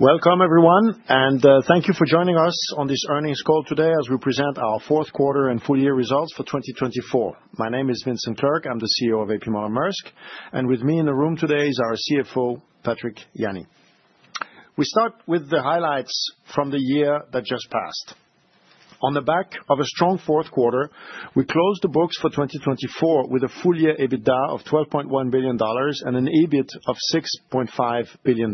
Welcome, everyone, and thank you for joining us on this earnings call today as we present our fourth quarter and full year results for 2024. My name is Vincent Clerc, I'm the CEO of A.P. Moller - Maersk, and with me in the room today is our CFO, Patrick Jany. We start with the highlights from the year that just passed. On the back of a strong fourth quarter, we closed the books for 2024 with a full year EBITDA of $12.1 billion and an EBIT of $6.5 billion.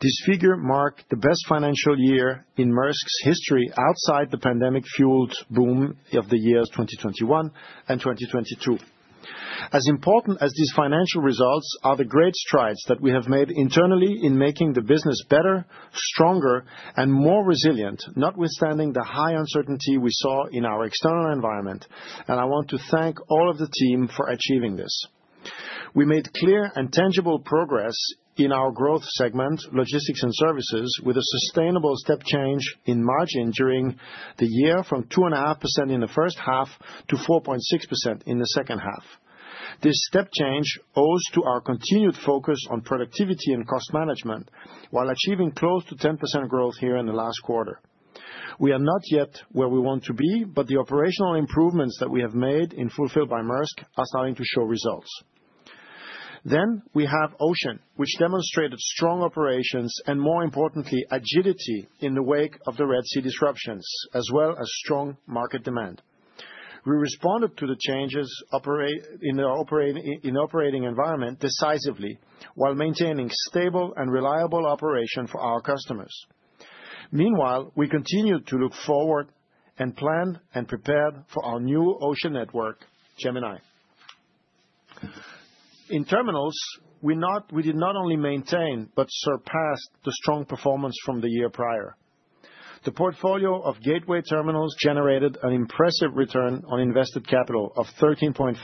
This figure marked the best financial year in Maersk's history outside the pandemic-fueled boom of the years 2021 and 2022. As important as these financial results are, the great strides that we have made internally in making the business better, stronger, and more resilient, notwithstanding the high uncertainty we saw in our external environment, and I want to thank all of the team for achieving this. We made clear and tangible progress in our growth segment, Logistics and Services, with a sustainable step change in margin during the year from 2.5% in the first half to 4.6% in the second half. This step change owes to our continued focus on productivity and cost management while achieving close to 10% growth here in the last quarter. We are not yet where we want to be, but the operational improvements that we have made in Fulfilled by Maersk are starting to show results. Then we have Ocean, which demonstrated strong operations and, more importantly, agility in the wake of the Red Sea disruptions, as well as strong market demand. We responded to the changes in the operating environment decisively while maintaining stable and reliable operation for our customers. Meanwhile, we continued to look forward and planned and prepared for our new Ocean network, Gemini. In Terminals, we did not only maintain but surpassed the strong performance from the year prior. The portfolio of gateway Terminals generated an impressive return on invested capital of 13.5%,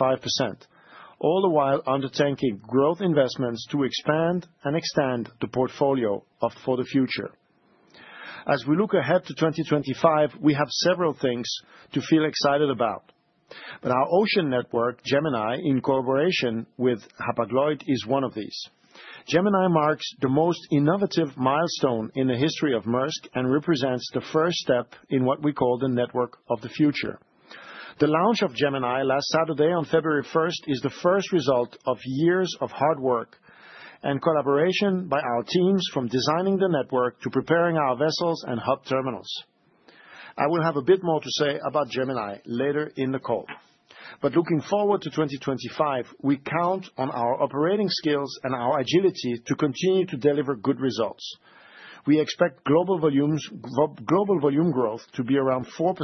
all the while undertaking growth investments to expand and extend the portfolio for the future. As we look ahead to 2025, we have several things to feel excited about, but our Ocean network, Gemini, in cooperation with Hapag-Lloyd, is one of these. Gemini marks the most innovative milestone in the history of Maersk and represents the first step in what we call the network of the future. The launch of Gemini last Saturday, on February 1st, is the first result of years of hard work and collaboration by our teams from designing the network to preparing our vessels and hub Terminals. I will have a bit more to say about Gemini later in the call, but looking forward to 2025, we count on our operating skills and our agility to continue to deliver good results. We expect global volume growth to be around 4%,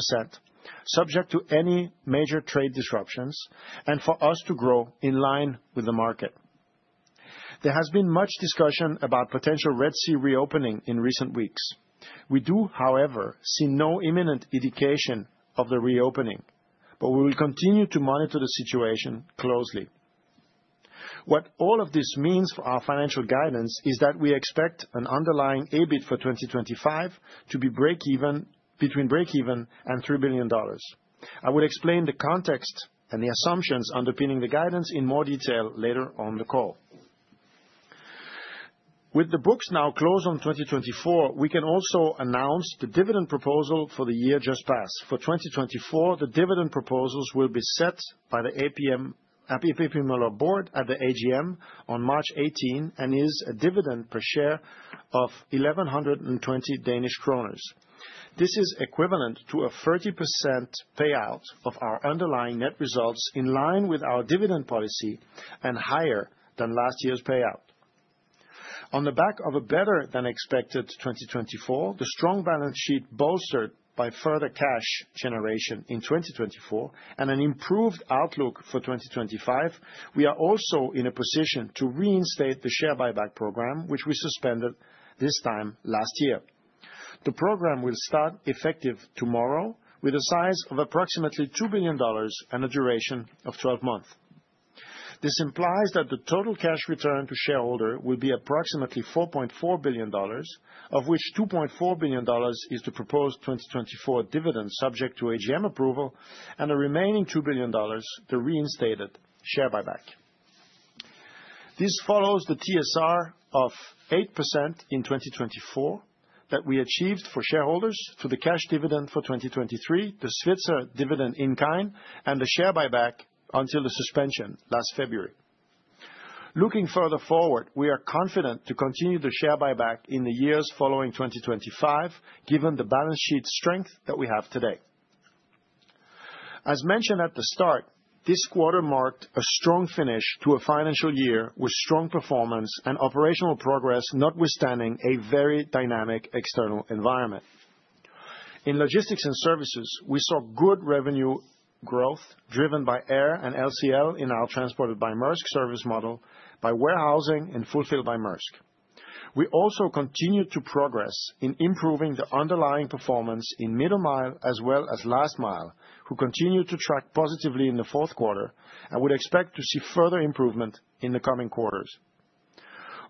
subject to any major trade disruptions, and for us to grow in line with the market. There has been much discussion about potential Red Sea reopening in recent weeks. We do, however, see no imminent indication of the reopening, but we will continue to monitor the situation closely. What all of this means for our financial guidance is that we expect an underlying EBIT for 2025 to be between break-even and $3 billion. I will explain the context and the assumptions underpinning the guidance in more detail later on the call. With the books now closed on 2024, we can also announce the dividend proposal for the year just passed. For 2024, the dividend proposals will be set by the A.P. Møller board at the AGM on March 18 and is a dividend per share of 1,120 Danish kroner. This is equivalent to a 30% payout of our underlying net results in line with our dividend policy and higher than last year's payout. On the back of a better-than-expected 2024, the strong balance sheet bolstered by further cash generation in 2024 and an improved outlook for 2025, we are also in a position to reinstate the share buyback program, which we suspended this time last year. The program will start effective tomorrow with a size of approximately $2 billion and a duration of 12 months. This implies that the total cash return to shareholder will be approximately $4.4 billion, of which $2.4 billion is the proposed 2024 dividend subject to AGM approval, and the remaining $2 billion, the reinstated share buyback. This follows the TSR of 8% in 2024 that we achieved for shareholders through the cash dividend for 2023, the special dividend in kind, and the share buyback until the suspension last February. Looking further forward, we are confident to continue the Share Buyback in the years following 2025, given the balance sheet strength that we have today. As mentioned at the start, this quarter marked a strong finish to a financial year with strong performance and operational progress notwithstanding a very dynamic external environment. In Logistics and Services, we saw good revenue growth driven by air and LCL in our Transported by Maersk service model, by warehousing in Fulfilled by Maersk. We also continued to progress in improving the underlying performance in Middle Mile as well as Last Mile, who continued to track positively in the fourth quarter and would expect to see further improvement in the coming quarters.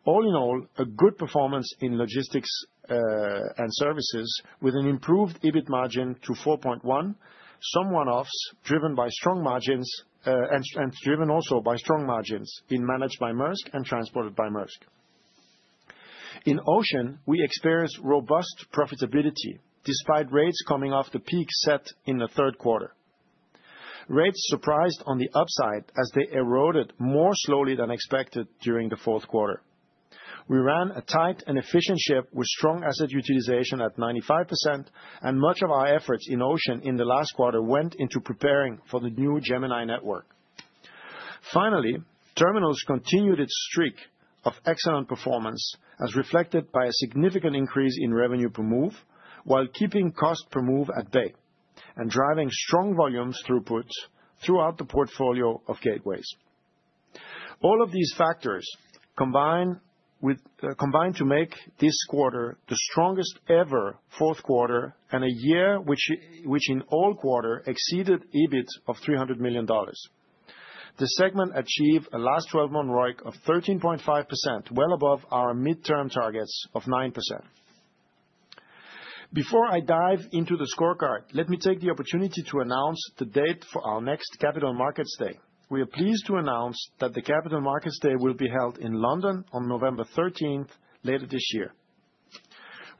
All in all, a good performance in Logistics and Services with an improved EBIT margin to 4.1%, some one-offs driven by strong margins and driven also by strong margins in Managed by Maersk and Transported by Maersk. In Ocean, we experienced robust profitability despite rates coming off the peak set in the third quarter. Rates surprised on the upside as they eroded more slowly than expected during the fourth quarter. We ran a tight and efficient ship with strong asset utilization at 95%, and much of our efforts in Ocean in the last quarter went into preparing for the new Gemini network. Finally, Terminals continued its streak of excellent performance as reflected by a significant increase in revenue per move while keeping cost per move at bay and driving strong volumes through put throughout the portfolio of gateways. All of these factors combined to make this quarter the strongest ever fourth quarter and a year which in all quarter exceeded EBIT of $300 million. The segment achieved a last 12-month ROIC of 13.5%, well above our midterm targets of 9%. Before I dive into the scorecard, let me take the opportunity to announce the date for our next Capital Markets Day. We are pleased to announce that the Capital Markets Day will be held in London on November 13, later this year.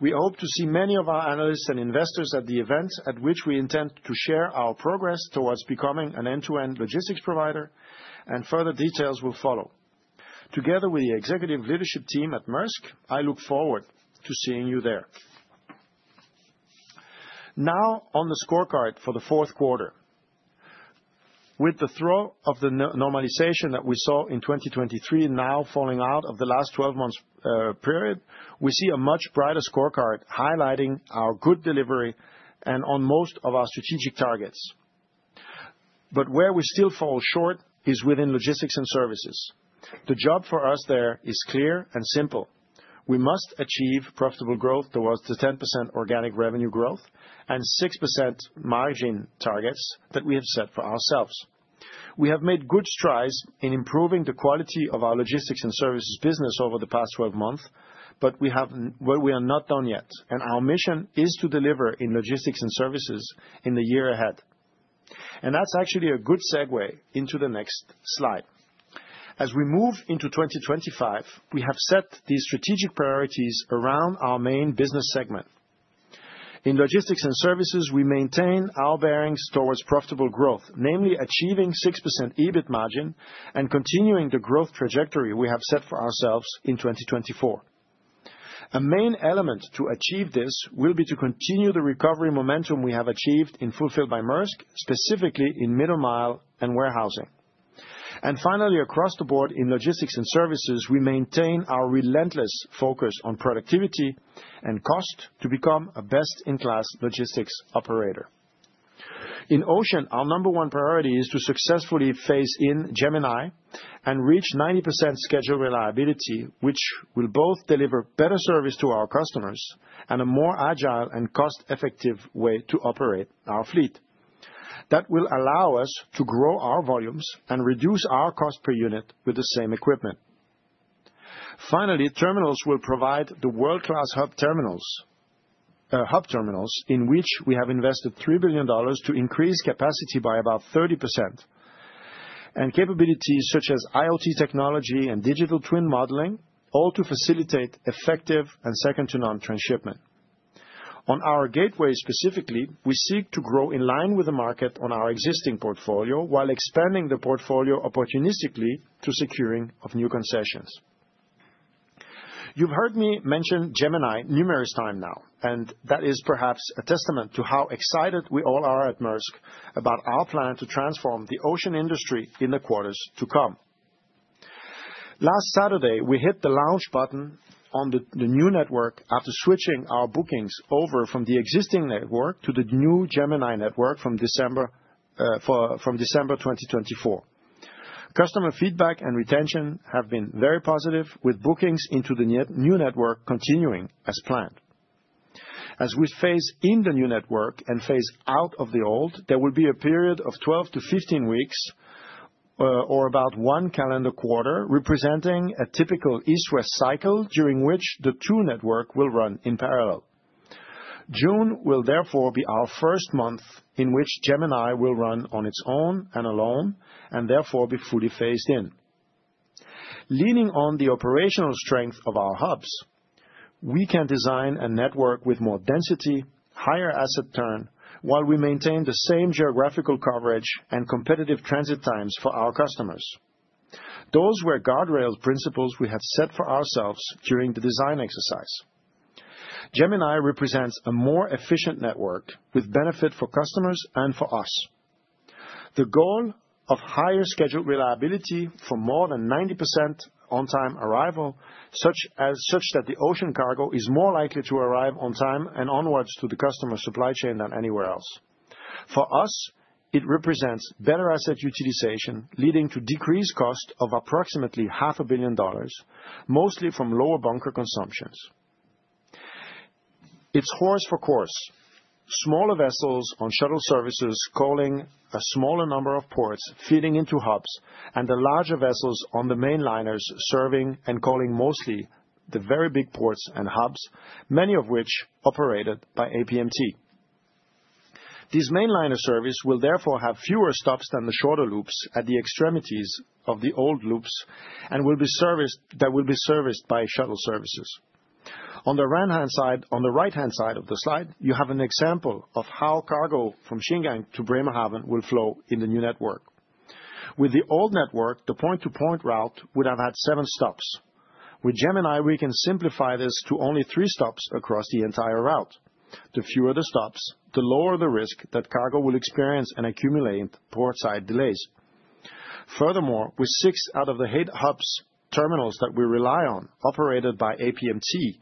We hope to see many of our analysts and investors at the event at which we intend to share our progress towards becoming an end-to-end logistics provider, and further details will follow. Together with the executive leadership team at Maersk, I look forward to seeing you there. Now, on the scorecard for the fourth quarter, with the throw-off of the normalization that we saw in 2023 now falling out of the last 12-month period, we see a much brighter scorecard highlighting our good delivery and on most of our strategic targets, but where we still fall short is within Logistics and Services. The job for us there is clear and simple. We must achieve profitable growth towards the 10% organic revenue growth and 6% margin targets that we have set for ourselves. We have made good strides in improving the quality of our Logistics and Services business over the past 12 months, but we are not done yet, and our mission is to deliver in Logistics and Services in the year ahead, and that's actually a good segue into the next slide. As we move into 2025, we have set these strategic priorities around our main business segment. In Logistics and Services, we maintain our bearings towards profitable growth, namely achieving 6% EBIT margin and continuing the growth trajectory we have set for ourselves in 2024. A main element to achieve this will be to continue the recovery momentum we have achieved in Fulfilled by Maersk, specifically in Middle Mile and warehousing. And finally, across the board in Logistics and Services, we maintain our relentless focus on productivity and cost to become a best-in-class logistics operator. In Ocean, our number one priority is to successfully phase in Gemini and reach 90% schedule reliability, which will both deliver better service to our customers and a more agile and cost-effective way to operate our fleet. That will allow us to grow our volumes and reduce our cost per unit with the same equipment. Finally, Terminals will provide the world-class hub Terminals in which we have invested $3 billion to increase capacity by about 30% and capabilities such as IoT technology and digital twin modeling, all to facilitate effective and second-to-none transshipment. On our gateway specifically, we seek to grow in line with the market on our existing portfolio while expanding the portfolio opportunistically to securing of new concessions. You've heard me mention Gemini numerous times now, and that is perhaps a testament to how excited we all are at Maersk about our plan to transform the Ocean industry in the quarters to come. Last Saturday, we hit the launch button on the new network after switching our bookings over from the existing network to the new Gemini network from December 2024. Customer feedback and retention have been very positive, with bookings into the new network continuing as planned. As we phase in the new network and phase out of the old, there will be a period of 12-15 weeks or about one calendar quarter, representing a typical east-west cycle during which the two networks will run in parallel. June will therefore be our first month in which Gemini will run on its own and alone and therefore be fully phased in. Leaning on the operational strength of our hubs, we can design a network with more density, higher asset turn, while we maintain the same geographical coverage and competitive transit times for our customers. Those were guardrail principles we had set for ourselves during the design exercise. Gemini represents a more efficient network with benefit for customers and for us. The goal of higher schedule reliability for more than 90% on-time arrival, such that the Ocean cargo is more likely to arrive on time and onwards to the customer supply chain than anywhere else. For us, it represents better asset utilization leading to decreased cost of approximately $500 million, mostly from lower bunker consumptions. It's horse for course. Smaller vessels on shuttle services calling a smaller number of ports feeding into hubs and the larger vessels on the main liners serving and calling mostly the very big ports and hubs, many of which operated by APMT. These main liner services will therefore have fewer stops than the shorter loops at the extremities of the old loops and will be serviced by shuttle services. On the right-hand side of the slide, you have an example of how cargo from Xingang to Bremerhaven will flow in the new network. With the old network, the point-to-point route would have had seven stops. With Gemini, we can simplify this to only three stops across the entire route. The fewer the stops, the lower the risk that cargo will experience and accumulate portside delays. Furthermore, with six out of the eight hub Terminals that we rely on operated by APMT,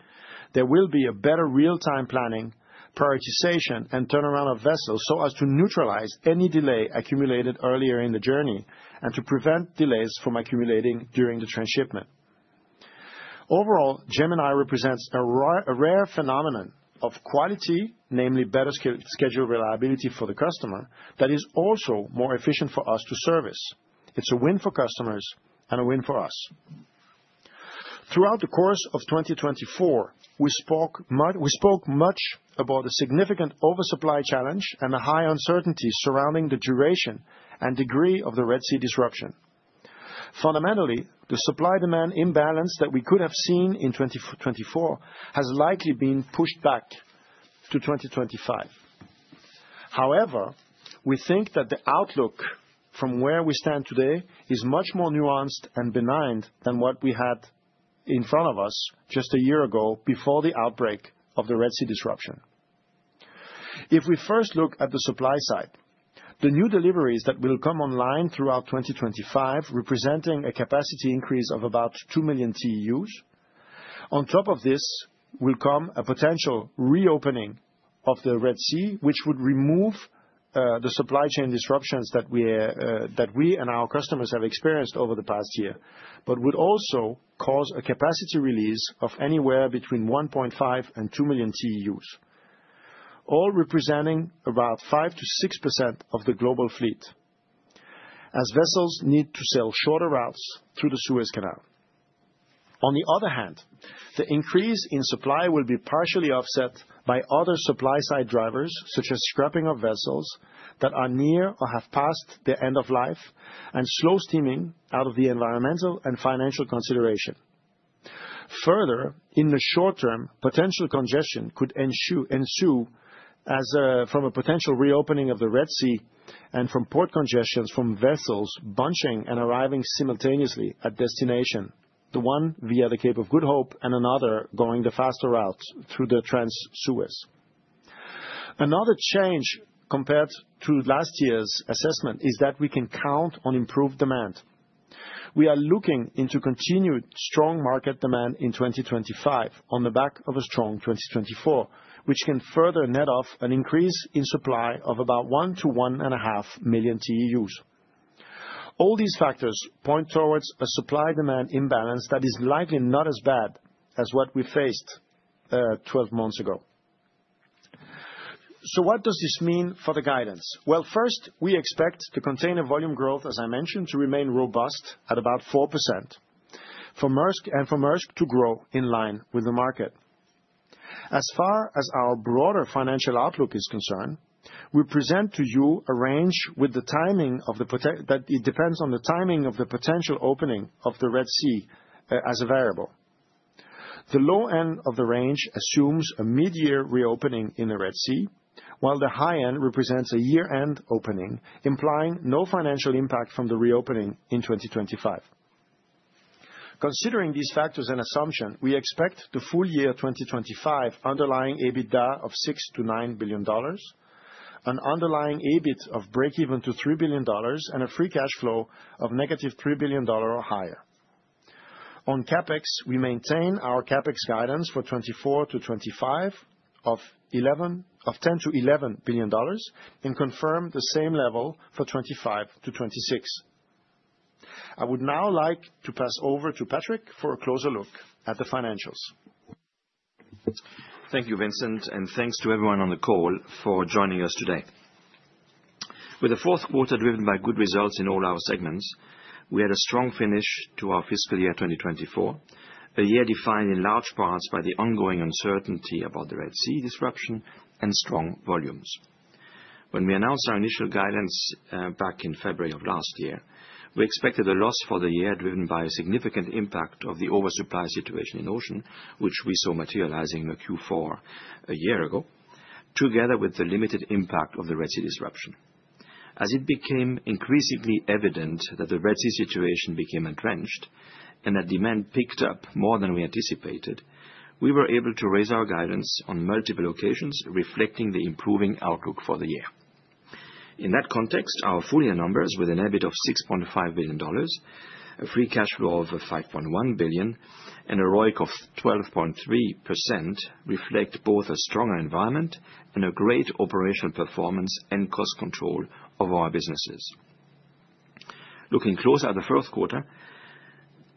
there will be a better real-time planning, prioritization, and turnaround of vessels so as to neutralize any delay accumulated earlier in the journey and to prevent delays from accumulating during the transshipment. Overall, Gemini represents a rare phenomenon of quality, namely better schedule reliability for the customer that is also more efficient for us to service. It's a win for customers and a win for us. Throughout the course of 2024, we spoke much about the significant oversupply challenge and the high uncertainty surrounding the duration and degree of the Red Sea disruption. Fundamentally, the supply-demand imbalance that we could have seen in 2024 has likely been pushed back to 2025. However, we think that the outlook from where we stand today is much more nuanced and benign than what we had in front of us just a year ago before the outbreak of the Red Sea disruption. If we first look at the supply side, the new deliveries that will come online throughout 2025 represent a capacity increase of about 2 million TEUs. On top of this, will come a potential reopening of the Red Sea, which would remove the supply chain disruptions that we and our customers have experienced over the past year, but would also cause a capacity release of anywhere between 1.5 and 2 million TEUs, all representing about 5% to 6% of the global fleet, as vessels need to sail shorter routes through the Suez Canal. On the other hand, the increase in supply will be partially offset by other supply side drivers, such as scrapping of vessels that are near or have passed the end of life and slow steaming out of the environmental and financial consideration. Further, in the short term, potential congestion could ensue from a potential reopening of the Red Sea and from port congestions from vessels bunching and arriving simultaneously at destination, the one via the Cape of Good Hope and another going the faster route through the Trans Suez. Another change compared to last year's assessment is that we can count on improved demand. We are looking into continued strong market demand in 2025 on the back of a strong 2024, which can further net off an increase in supply of about 1-1.5 million TEUs. All these factors point towards a supply-demand imbalance that is likely not as bad as what we faced 12 months ago. So what does this mean for the guidance? Well, first, we expect the container volume growth, as I mentioned, to remain robust at about 4% and for Maersk to grow in line with the market. As far as our broader financial outlook is concerned, we present to you a range that depends on the timing of the potential opening of the Red Sea as a variable. The low end of the range assumes a mid-year reopening in the Red Sea, while the high end represents a year-end opening, implying no financial impact from the reopening in 2025. Considering these factors and assumptions, we expect the full year 2025 underlying EBITDA of $6 billion-$9 billion, an underlying EBIT of break-even to $3 billion, and a free cash flow of -$3 billion or higher. On CapEx, we maintain our CapEx guidance for 2024-2025 of $10 billion-$11 billion and confirm the same level for 2025-2026. I would now like to pass over to Patrick for a closer look at the financials. Thank you, Vincent, and thanks to everyone on the call for joining us today. With the fourth quarter driven by good results in all our segments, we had a strong finish to our fiscal year 2024, a year defined in large parts by the ongoing uncertainty about the Red Sea disruption and strong volumes. When we announced our initial guidance back in February of last year, we expected a loss for the year driven by a significant impact of the oversupply situation in Ocean, which we saw materializing in the Q4 a year ago, together with the limited impact of the Red Sea disruption. As it became increasingly evident that the Red Sea situation became entrenched and that demand picked up more than we anticipated, we were able to raise our guidance on multiple occasions, reflecting the improving outlook for the year. In that context, our full year numbers with an EBIT of $6.5 billion, a free cash flow of $5.1 billion, and a ROIC of 12.3% reflect both a stronger environment and a greater operational performance and cost control of our businesses. Looking closer at the fourth quarter,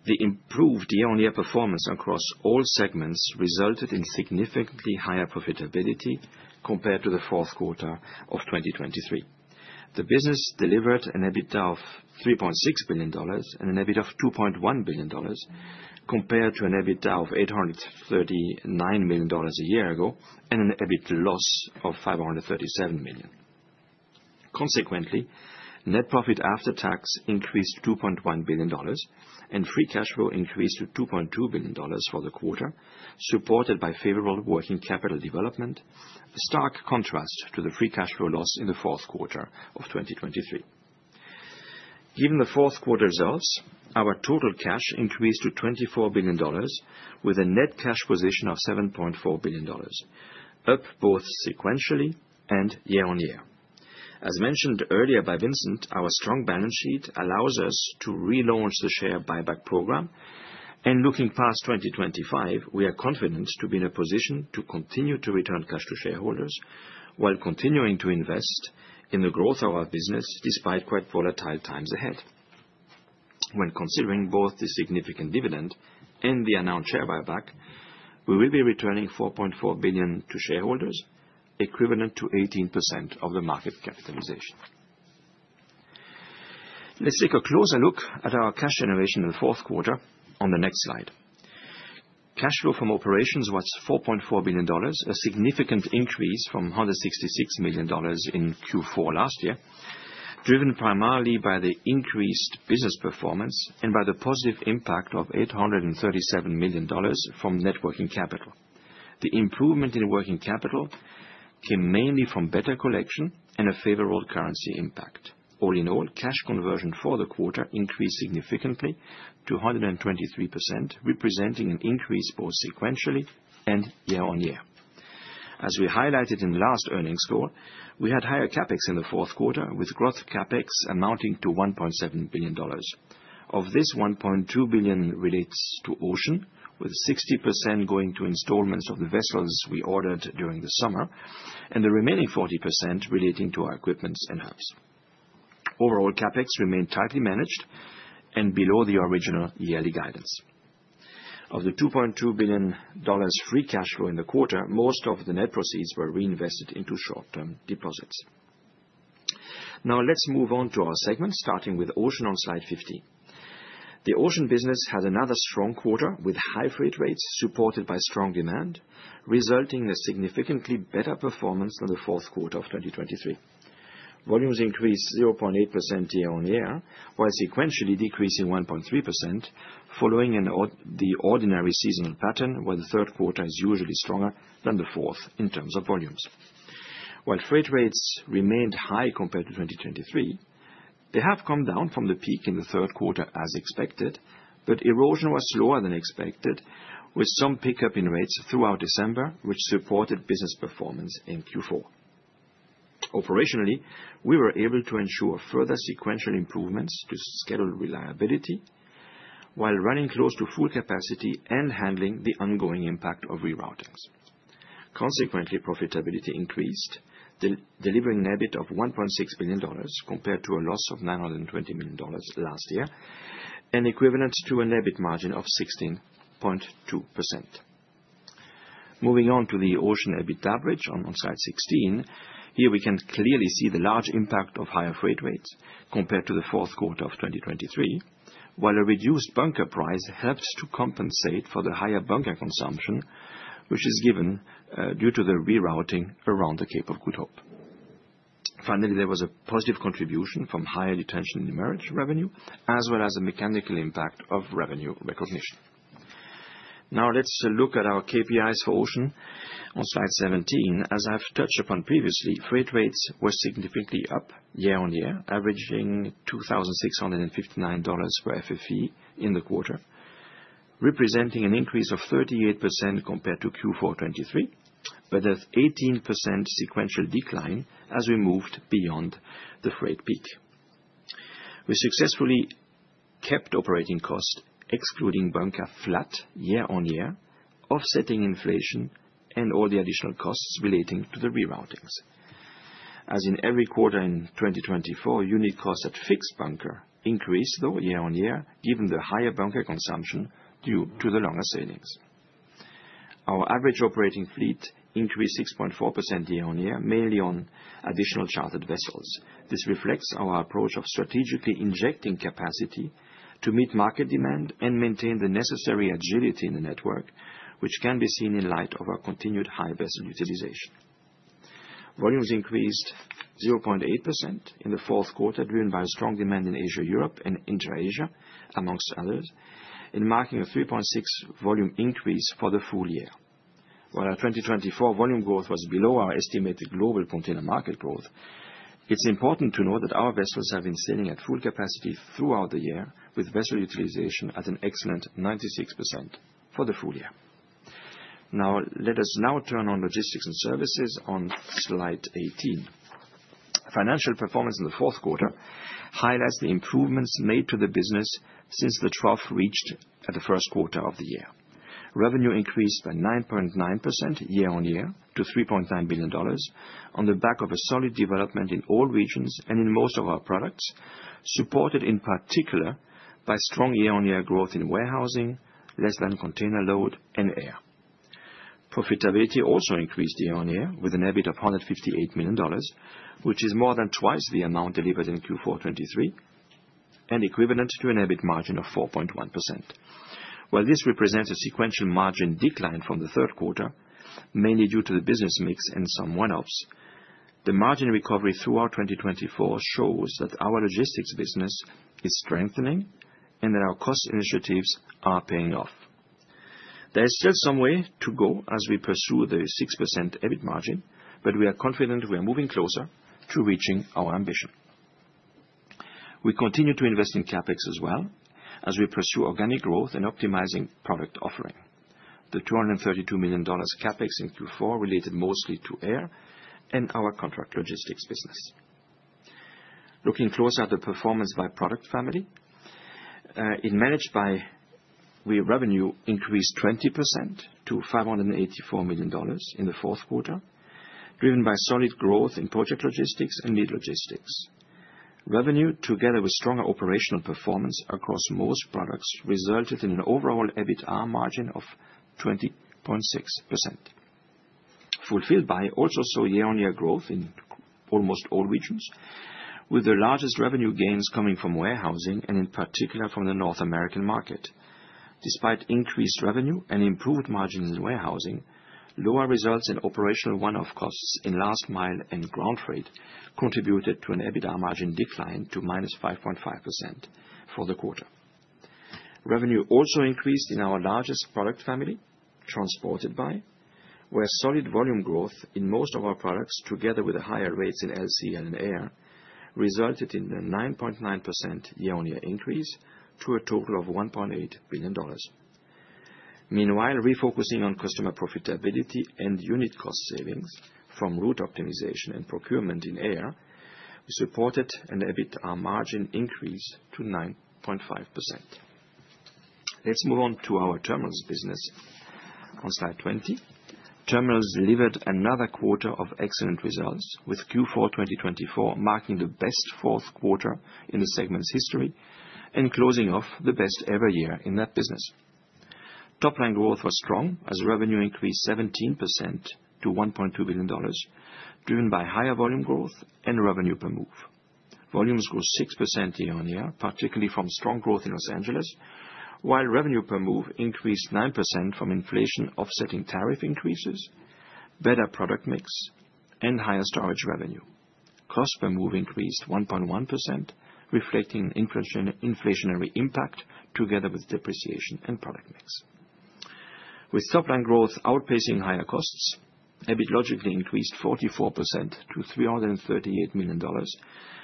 the improved year-on-year performance across all segments resulted in significantly higher profitability compared to the fourth quarter of 2023. The business delivered an EBITDA of $3.6 billion and an EBIT of $2.1 billion, compared to an EBITDA of $839 million a year ago and an EBIT loss of $537 million. Consequently, net profit after tax increased to $2.1 billion and free cash flow increased to $2.2 billion for the quarter, supported by favorable working capital development, a stark contrast to the free cash flow loss in the fourth quarter of 2023. Given the fourth quarter results, our total cash increased to $24 billion with a net cash position of $7.4 billion, up both sequentially and year-on-year. As mentioned earlier by Vincent, our strong balance sheet allows us to relaunch the share buyback program, and looking past 2025, we are confident to be in a position to continue to return cash to shareholders while continuing to invest in the growth of our business despite quite volatile times ahead. When considering both the significant dividend and the announced share buyback, we will be returning $4.4 billion to shareholders, equivalent to 18% of the market capitalization. Let's take a closer look at our cash generation in the fourth quarter on the next slide. Cash flow from operations was $4.4 billion, a significant increase from $166 million in Q4 last year, driven primarily by the increased business performance and by the positive impact of $837 million from working capital. The improvement in working capital came mainly from better collection and a favorable currency impact. All in all, cash conversion for the quarter increased significantly to 123%, representing an increase both sequentially and year-on-year. As we highlighted in last earnings call, we had higher CapEx in the fourth quarter, with gross CapEx amounting to $1.7 billion. Of this, $1.2 billion relates to Ocean, with 60% going to installments of the vessels we ordered during the summer and the remaining 40% relating to our equipment and hubs. Overall, CapEx remained tightly managed and below the original yearly guidance. Of the $2.2 billion free cash flow in the quarter, most of the net proceeds were reinvested into short-term deposits. Now, let's move on to our segment, starting with Ocean on slide 15. The Ocean business had another strong quarter with high freight rates supported by strong demand, resulting in a significantly better performance than the fourth quarter of 2023. Volumes increased 0.8% year-on-year, while sequentially decreasing 1.3%, following the ordinary seasonal pattern where the third quarter is usually stronger than the fourth in terms of volumes. While freight rates remained high compared to 2023, they have come down from the peak in the third quarter as expected, but erosion was slower than expected, with some pickup in rates throughout December, which supported business performance in Q4. Operationally, we were able to ensure further sequential improvements to schedule reliability while running close to full capacity and handling the ongoing impact of rerouting. Consequently, profitability increased, delivering an EBIT of $1.6 billion compared to a loss of $920 million last year, and equivalent to an EBIT margin of 16.2%. Moving on to the Ocean EBIT average on slide 16, here we can clearly see the large impact of higher freight rates compared to the fourth quarter of 2023, while a reduced bunker price helped to compensate for the higher bunker consumption, which is given due to the rerouting around the Cape of Good Hope. Finally, there was a positive contribution from higher detention and demurrage revenue, as well as a mechanical impact of revenue recognition. Now, let's look at our KPIs for Ocean on slide 17. As I've touched upon previously, freight rates were significantly up year-on-year, averaging $2,659 per FFE in the quarter, representing an increase of 38% compared to Q4 2023, but an 18% sequential decline as we moved beyond the freight peak. We successfully kept operating costs, excluding bunker, flat year-on-year, offsetting inflation and all the additional costs relating to the reroutings. As in every quarter in 2024, unit costs at fixed bunker increased, though year-on-year, given the higher bunker consumption due to the longer sailings. Our average operating fleet increased 6.4% year-on-year, mainly on additional chartered vessels. This reflects our approach of strategically injecting capacity to meet market demand and maintain the necessary agility in the network, which can be seen in light of our continued high vessel utilization. Volumes increased 0.8% in the fourth quarter, driven by strong demand in Asia-Europe and InterAsia, among others, and marking a 3.6% volume increase for the full year. While our 2024 volume growth was below our estimated global container market growth, it's important to note that our vessels have been sailing at full capacity throughout the year, with vessel utilization at an excellent 96% for the full year. Now, let us turn to Logistics and Services on slide 18. Financial performance in the fourth quarter highlights the improvements made to the business since the trough reached at the first quarter of the year. Revenue increased by 9.9% year-on-year to $3.9 billion on the back of a solid development in all regions and in most of our products, supported in particular by strong year-on-year growth in warehousing, less-than-container load, and air. Profitability also increased year-on-year with an EBIT of $158 million, which is more than twice the amount delivered in Q4 2023 and equivalent to an EBIT margin of 4.1%. While this represents a sequential margin decline from the third quarter, mainly due to the business mix and some one-offs, the margin recovery throughout 2024 shows that our logistics business is strengthening and that our cost initiatives are paying off. There is still some way to go as we pursue the 6% EBIT margin, but we are confident we are moving closer to reaching our ambition. We continue to invest in CapEx as well as we pursue organic growth and optimizing product offering. The $232 million CapEx in Q4 related mostly to air and our contract logistics business. Looking closer at the performance by product family, in Managed by. Revenue increased 20% to $584 million in the fourth quarter, driven by solid growth in project logistics and lead logistics. Revenue, together with stronger operational performance across most products, resulted in an overall EBITDA margin of 20.6%. Fulfilled by also saw year-on-year growth in almost all regions, with the largest revenue gains coming from warehousing and in particular from the North American market. Despite increased revenue and improved margins in warehousing, lower results in operational one-off costs in Last Mile and ground freight contributed to an EBITDA margin decline to minus 5.5% for the quarter. Revenue also increased in our largest product family, transported by, where solid volume growth in most of our products, together with the higher rates in LC and in air, resulted in a 9.9% year-on-year increase to a total of $1.8 billion. Meanwhile, refocusing on customer profitability and unit cost savings from route optimization and procurement in air, we supported an EBITDA margin increase to 9.5%. Let's move on to our Terminals business on slide 20. Terminals delivered another quarter of excellent results, with Q4 2024 marking the best fourth quarter in the segment's history and closing off the best ever year in that business. Top-line growth was strong as revenue increased 17% to $1.2 billion, driven by higher volume growth and revenue per move. Volumes grew 6% year-on-year, particularly from strong growth in Los Angeles, while revenue per move increased 9% from inflation offsetting tariff increases, better product mix, and higher storage revenue. Cost per move increased 1.1%, reflecting an inflationary impact together with depreciation and product mix. With top-line growth outpacing higher costs, EBIT logically increased 44% to $338 million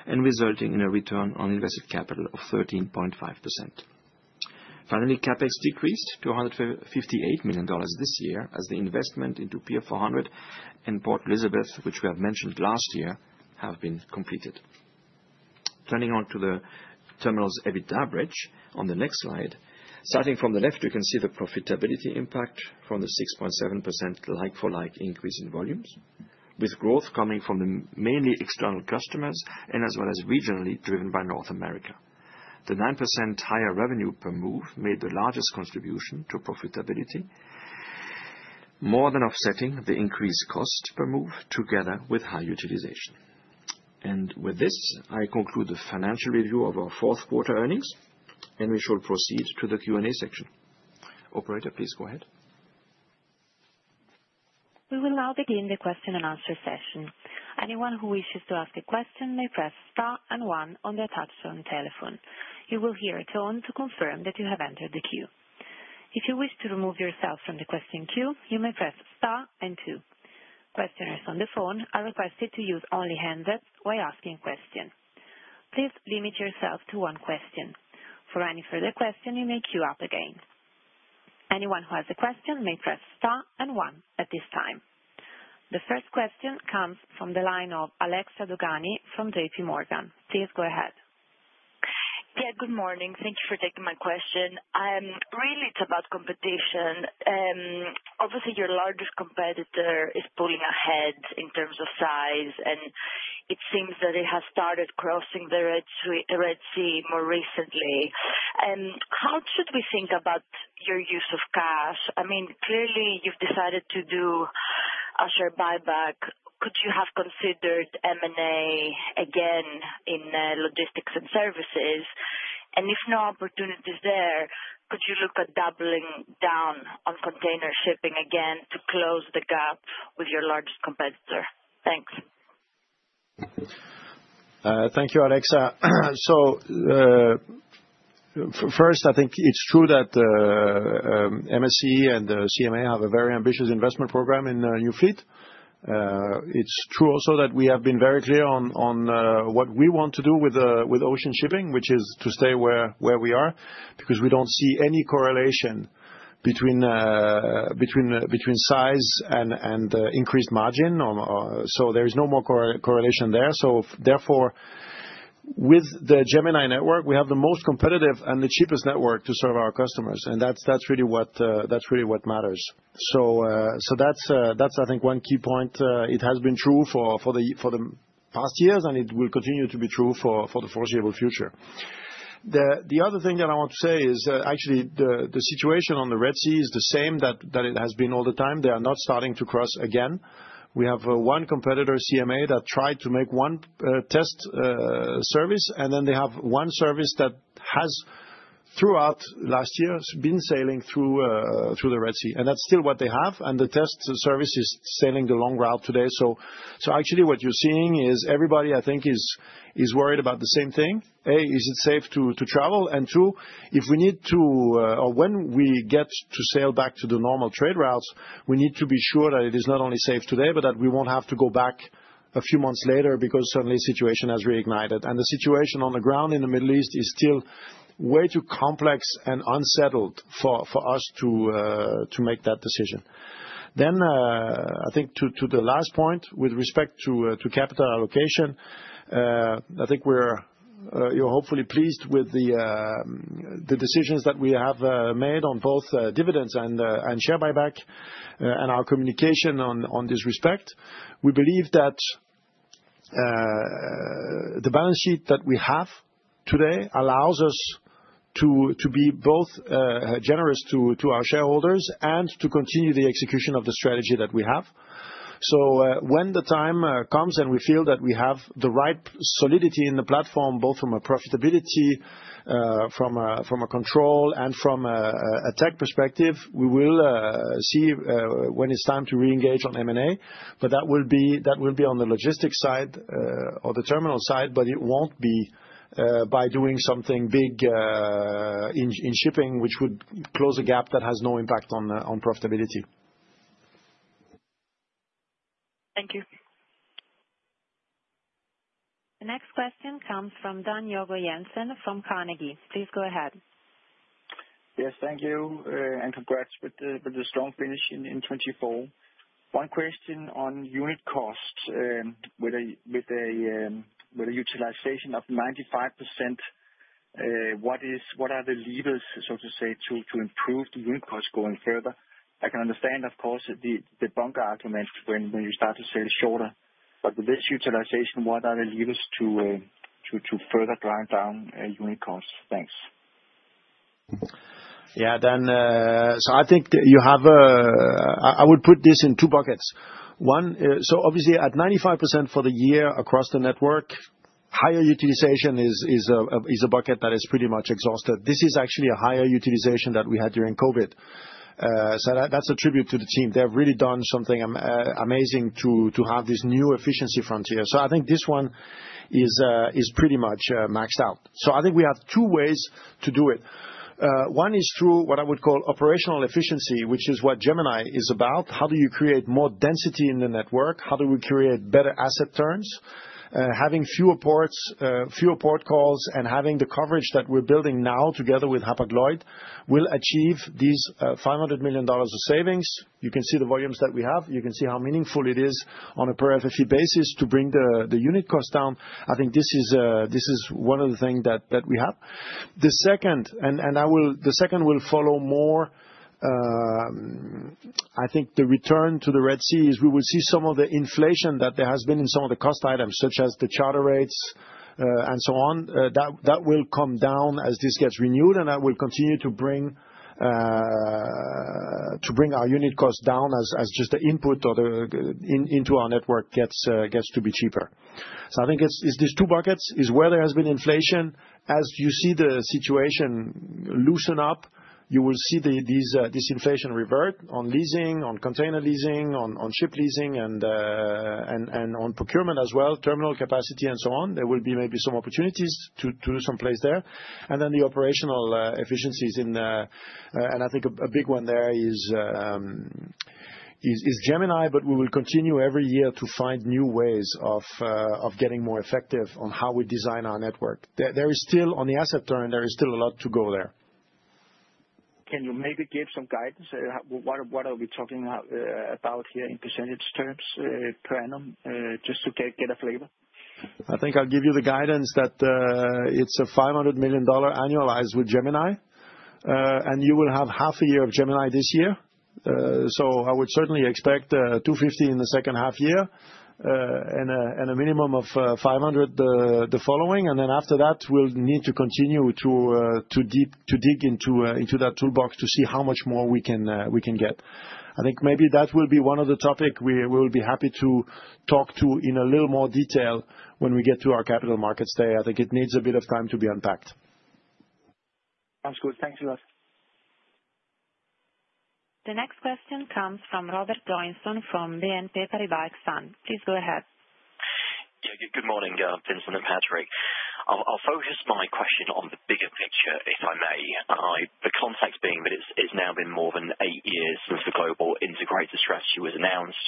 and resulting in a return on invested capital of 13.5%. Finally, CapEx decreased to $158 million this year as the investment into Pier 400 and Port Elizabeth, which we have mentioned last year, have been completed. Turning to the Terminals EBITDA bridge on the next slide, starting from the left, you can see the profitability impact from the 6.7% like-for-like increase in volumes, with growth coming from mainly external customers and as well as regionally driven by North America. The 9% higher revenue per move made the largest contribution to profitability, more than offsetting the increased cost per move together with high utilization. With this, I conclude the financial review of our fourth quarter earnings, and we shall proceed to the Q&A section. Operator, please go ahead. We will now begin the question and answer session. Anyone who wishes to ask a question may press star and one on the attached phone telephone. You will hear a tone to confirm that you have entered the queue. If you wish to remove yourself from the question queue, you may press star and two. Questioners on the phone are requested to use only the handset while asking questions. Please limit yourself to one question. For any further question, you may queue up again. Anyone who has a question may press star and one at this time. The first question comes from the line of Alexia Dogani from J.P. Morgan. Please go ahead. Yeah, good morning. Thank you for taking my question. Really, it's about competition. Obviously, your largest competitor is pulling ahead in terms of size, and it seems that it has started crossing the Red Sea more recently. How should we think about your use of cash? I mean, clearly, you've decided to do a share buyback. Could you have considered M&A again in Logistics and Services? And if no opportunity is there, could you look at doubling down on container shipping again to close the gap with your largest competitor? Thanks. Thank you, Alexia. So first, I think it's true that MSC and CMA have a very ambitious investment program in new fleet. It's true also that we have been very clear on what we want to do with Ocean shipping, which is to stay where we are, because we don't see any correlation between size and increased margin. So there is no more correlation there. So therefore, with the Gemini network, we have the most competitive and the cheapest network to serve our customers. And that's really what matters. So that's, I think, one key point. It has been true for the past years, and it will continue to be true for the foreseeable future. The other thing that I want to say is actually the situation on the Red Sea is the same that it has been all the time. They are not starting to cross again. We have one competitor, CMA, that tried to make one test service, and then they have one service that has, throughout last year, been sailing through the Red Sea. And that's still what they have. And the test service is sailing the long route today. So actually, what you're seeing is everybody, I think, is worried about the same thing. A, is it safe to travel? And two, if we need to, or when we get to sail back to the normal trade routes, we need to be sure that it is not only safe today, but that we won't have to go back a few months later because suddenly the situation has reignited. And the situation on the ground in the Middle East is still way too complex and unsettled for us to make that decision. Then, I think to the last point with respect to capital allocation, I think we're hopefully pleased with the decisions that we have made on both dividends and share buyback and our communication on this respect. We believe that the balance sheet that we have today allows us to be both generous to our shareholders and to continue the execution of the strategy that we have. So when the time comes and we feel that we have the right solidity in the platform, both from a profitability, from a control, and from a tech perspective, we will see when it's time to reengage on M&A. But that will be on the logistics side or the Terminal side, but it won't be by doing something big in shipping, which would close a gap that has no impact on profitability. Thank you. The next question comes from Dan Togo Jensen from Carnegie. Please go ahead. Yes, thank you. And congrats with the strong finish in 2024. One question on unit cost. With a utilization of 95%, what are the levers, so to say, to improve the unit cost going further? I can understand, of course, the bunker argument when you start to sail shorter. But with this utilization, what are the levers to further drive down unit costs? Thanks. Yeah, so I think I would put this in two buckets. So obviously, at 95% for the year across the network, higher utilization is a bucket that is pretty much exhausted. This is actually a higher utilization that we had during COVID. So that's a tribute to the team. They have really done something amazing to have this new efficiency frontier. So I think this one is pretty much maxed out. So I think we have two ways to do it. One is through what I would call operational efficiency, which is what Gemini is about. How do you create more density in the network? How do we create better asset turns? Having fewer ports, fewer port calls, and having the coverage that we're building now together with Hapag-Lloyd will achieve these $500 million of savings. You can see the volumes that we have. You can see how meaningful it is on a per FFE basis to bring the unit cost down. I think this is one of the things that we have. The second, and the second will follow more, I think the return to the Red Sea is we will see some of the inflation that there has been in some of the cost items, such as the charter rates and so on. That will come down as this gets renewed, and that will continue to bring our unit cost down as just the input into our network gets to be cheaper. So I think it's these two buckets is where there has been inflation. As you see the situation loosen up, you will see this inflation revert on leasing, on container leasing, on ship leasing, and on procurement as well, Terminal capacity and so on. There will be maybe some opportunities to do some place there. And then the operational efficiencies in, and I think a big one there is Gemini, but we will continue every year to find new ways of getting more effective on how we design our network. There is still, on the asset turn, there is still a lot to go there. Can you maybe give some guidance? What are we talking about here in percentage terms, per annum, just to get a flavor? I think I'll give you the guidance that it's a $500 million annualized with Gemini, and you will have half a year of Gemini this year. So I would certainly expect 250 in the second half year and a minimum of 500 the following. And then after that, we'll need to continue to dig into that toolbox to see how much more we can get. I think maybe that will be one of the topics we will be happy to talk to in a little more detail when we get to our capital markets day. I think it needs a bit of time to be unpacked. Sounds good. Thank you, Alex. The next question comes from Robert Joynson from BNP Paribas Exane. Please go ahead. Yeah, good morning, Vincent and Patrick. I'll focus my question on the bigger picture, if I may, the context being that it's now been more than eight years since the global integrator strategy was announced,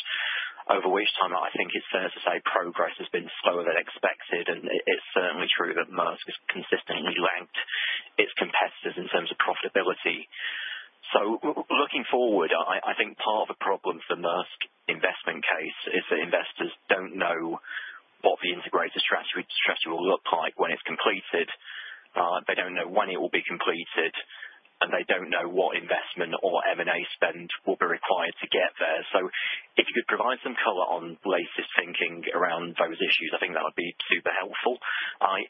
over which time I think it's fair to say progress has been slower than expected, and it's certainly true that Maersk has consistently ranked its competitors in terms of profitability. So looking forward, I think part of the problem for Maersk investment case is that investors don't know what the integrator strategy will look like when it's completed. They don't know when it will be completed, and they don't know what investment or M&A spend will be required to get there. So if you could provide some color on latest thinking around those issues, I think that would be super helpful.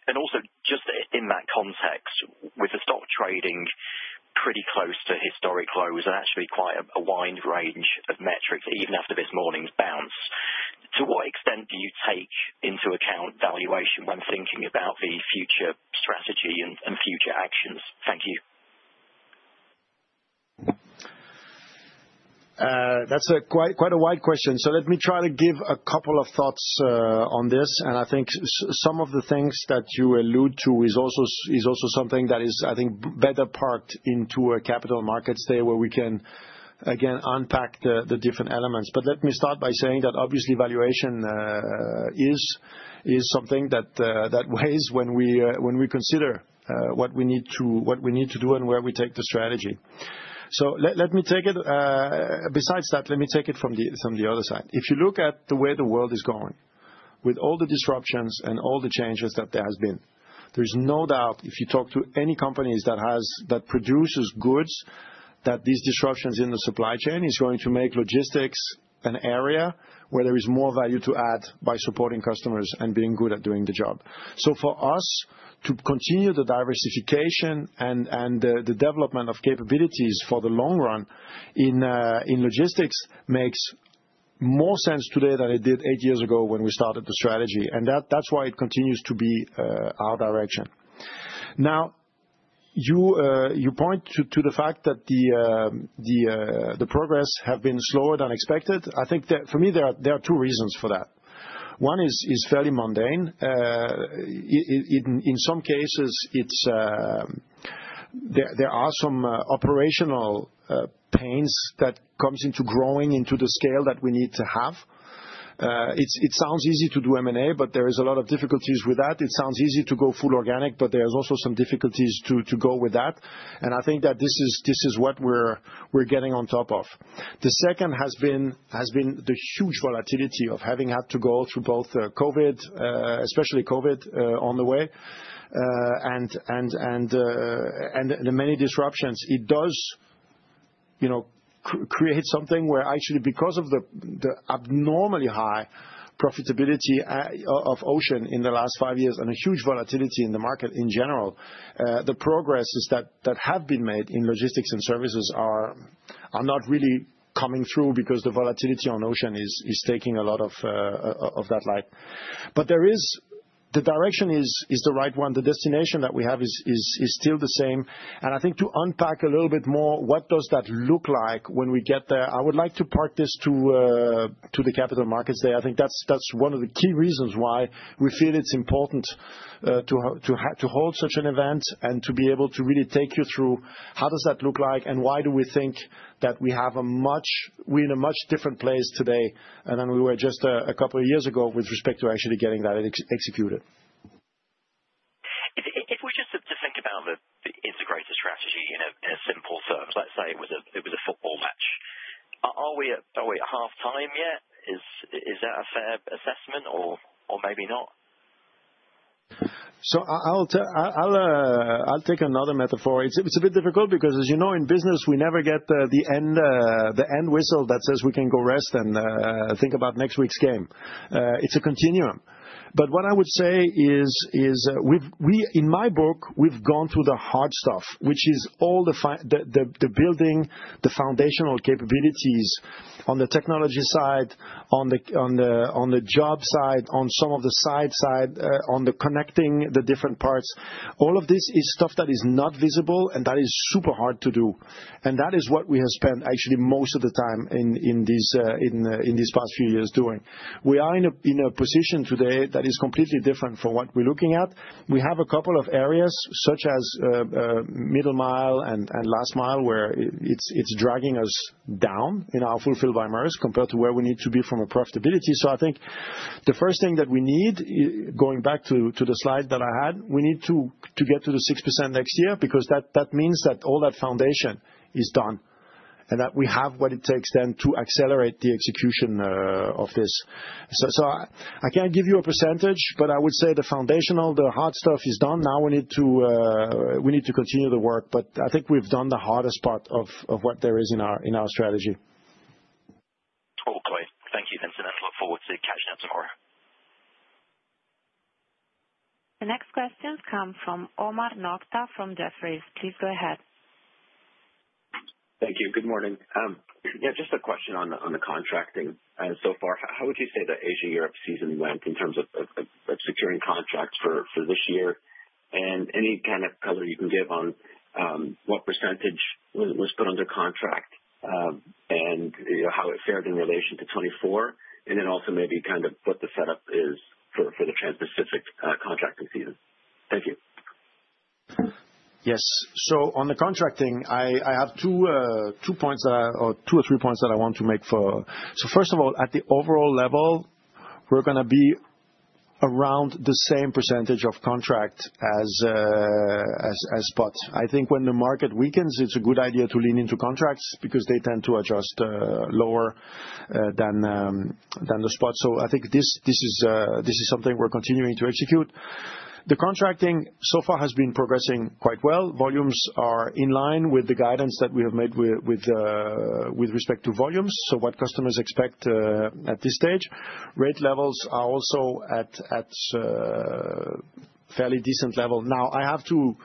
And also just in that context, with the stock trading pretty close to historic lows and actually quite a wide range of metrics, even after this morning's bounce, to what extent do you take into account valuation when thinking about the future strategy and future actions? Thank you. That's quite a wide question. So let me try to give a couple of thoughts on this. And I think some of the things that you allude to is also something that is, I think, better parked into a Capital Markets Day where we can, again, unpack the different elements. But let me start by saying that obviously valuation is something that weighs when we consider what we need to do and where we take the strategy. So let me take it besides that, let me take it from the other side. If you look at the way the world is going, with all the disruptions and all the changes that there have been, there is no doubt if you talk to any companies that produces goods, that these disruptions in the supply chain is going to make logistics an area where there is more value to add by supporting customers and being good at doing the job. So for us to continue the diversification and the development of capabilities for the long run in logistics makes more sense today than it did eight years ago when we started the strategy. And that's why it continues to be our direction. Now, you point to the fact that the progress has been slower than expected. I think for me, there are two reasons for that. One is fairly mundane. In some cases, there are some operational pains that come into growing into the scale that we need to have. It sounds easy to do M&A, but there is a lot of difficulties with that. It sounds easy to go full organic, but there are also some difficulties to go with that. And I think that this is what we're getting on top of. The second has been the huge volatility of having had to go through both COVID, especially COVID, on the way, and the many disruptions. It does create something where actually, because of the abnormally high profitability of Ocean in the last five years and a huge volatility in the market in general, the progresses that have been made in Logistics and Services are not really coming through because the volatility on Ocean is taking a lot of that light, but the direction is the right one. The destination that we have is still the same, and I think to unpack a little bit more, what does that look like when we get there? I would like to park this to the Capital Markets Day. I think that's one of the key reasons why we feel it's important to hold such an event and to be able to really take you through how does that look like and why do we think that we are in a much different place today than we were just a couple of years ago with respect to actually getting that executed. If we're just to think about the integrator strategy in a simple term, let's say it was a football match, are we at halftime yet? Is that a fair assessment or maybe not? So I'll take another metaphor. It's a bit difficult because, as you know, in business, we never get the end whistle that says we can go rest and think about next week's game. It's a continuum. But what I would say is, in my book, we've gone through the hard stuff, which is all the building, the foundational capabilities on the technology side, on the job side, on some of the supply side, on connecting the different parts. All of this is stuff that is not visible and that is super hard to do. And that is what we have spent actually most of the time in these past few years doing. We are in a position today that is completely different from what we're looking at. We have a couple of areas such as Middle Mile and last mile where it's dragging us down in our Fulfilled by Maersk compared to where we need to be from a profitability. So, I think the first thing that we need, going back to the slide that I had, we need to get to the 6% next year because that means that all that foundation is done and that we have what it takes then to accelerate the execution of this. So, I can't give you a percentage, but I would say the foundational, the hard stuff is done. Now we need to continue the work. But I think we've done the hardest part of what there is in our strategy. All great. Thank you, Vincent. I look forward to catching up tomorrow. The next questions come from Omar Nokta from Jefferies. Please go ahead. Thank you. Good morning. Yeah, just a question on the contracting so far. How would you say that Asia-Europe season went in terms of securing contracts for this year? And any kind of color you can give on what percentage was put under contract and how it fared in relation to 2024? And then also maybe kind of what the setup is for the Trans-Pacific contracting season. Thank you. Yes. So on the contracting, I have two points or two or three points that I want to make for. So first of all, at the overall level, we're going to be around the same percentage of contract as spot. I think when the market weakens, it's a good idea to lean into contracts because they tend to adjust lower than the spot. So I think this is something we're continuing to execute. The contracting so far has been progressing quite well. Volumes are in line with the guidance that we have made with respect to volumes, so what customers expect at this stage. Rate levels are also at fairly decent level. Now, I have to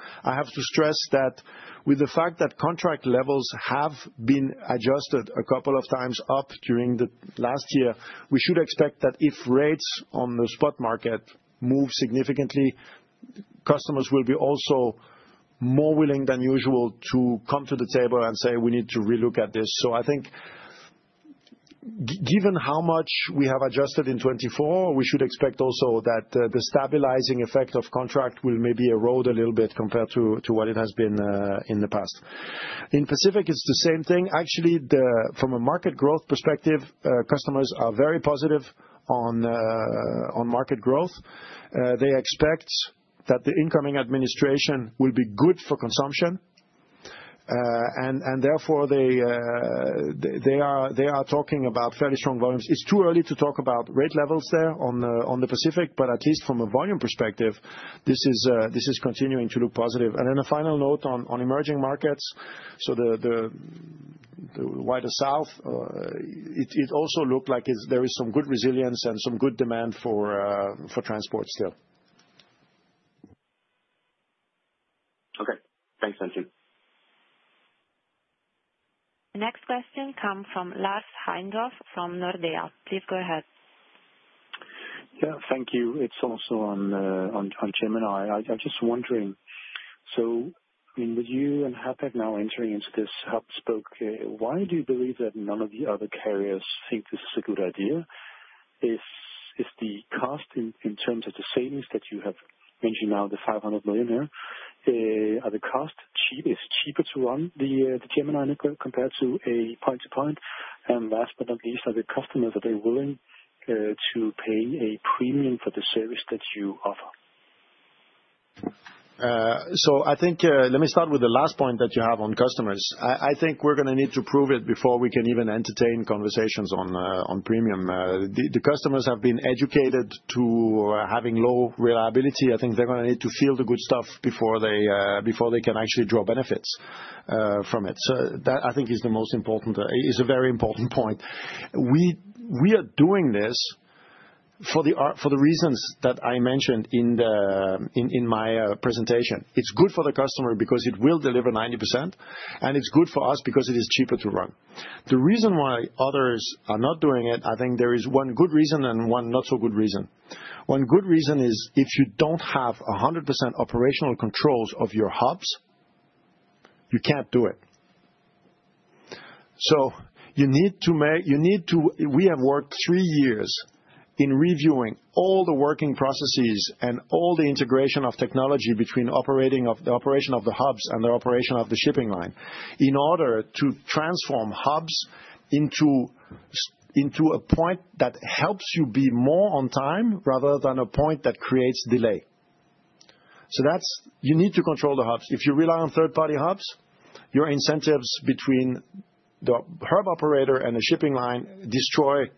stress that with the fact that contract levels have been adjusted a couple of times up during the last year, we should expect that if rates on the spot market move significantly, customers will be also more willing than usual to come to the table and say, "We need to relook at this," so I think given how much we have adjusted in 2024, we should expect also that the stabilizing effect of contract will maybe erode a little bit compared to what it has been in the past. In Pacific, it's the same thing. Actually, from a market growth perspective, customers are very positive on market growth. They expect that the incoming administration will be good for consumption, and therefore, they are talking about fairly strong volumes. It's too early to talk about rate levels there on the Pacific, but at least from a volume perspective, this is continuing to look positive. And then a final note on emerging markets, so the wider south, it also looked like there is some good resilience and some good demand for transport still. Okay. Thanks, Vincent. The next question comes from Lars Heindorf from Nordea. Please go ahead. Yeah, thank you. It's also on Gemini. I'm just wondering, so with you and Hapag-Lloyd now entering into this hub-and-spoke, why do you believe that none of the other carriers think this is a good idea? Is the cost in terms of the savings that you have mentioned now, the $500 million here, are the cost cheaper to run the Gemini network compared to a point-to-point? Last but not least, are the customers willing to pay a premium for the service that you offer? I think let me start with the last point that you have on customers. I think we're going to need to prove it before we can even entertain conversations on premium. The customers have been educated to having low reliability. I think they're going to need to feel the good stuff before they can actually draw benefits from it. That, I think, is the most important, is a very important point. We are doing this for the reasons that I mentioned in my presentation. It's good for the customer because it will deliver 90%, and it's good for us because it is cheaper to run. The reason why others are not doing it, I think there is one good reason and one not so good reason. One good reason is if you don't have 100% operational controls of your hubs, you can't do it. So you need to. We have worked three years in reviewing all the working processes and all the integration of technology between the operation of the hubs and the operation of the shipping line in order to transform hubs into a point that helps you be more on time rather than a point that creates delay. So you need to control the hubs. If you rely on third-party hubs, your incentives between the hub operator and the shipping line destroy